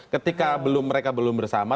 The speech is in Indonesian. ketika mereka belum bersama